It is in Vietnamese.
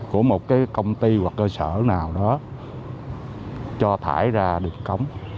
không có một cái công ty hoặc cơ sở nào đó cho thải ra được cống